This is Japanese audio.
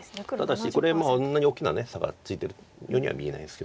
ただしこれそんなに大きな差がついてるようには見えないですけども。